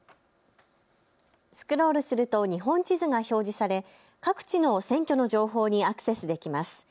スクロールすると日本地図が表示され各地の選挙の情報にアクセスできます。